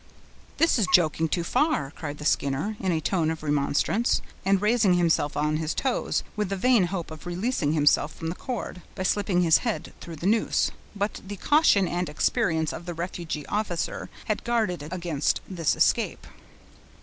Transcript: "This is joking too far," cried the Skinner, in a tone of remonstrance, and raising himself on his toes, with the vain hope of releasing himself from the cord, by slipping his head through the noose. But the caution and experience of the refugee officer had guarded against this escape.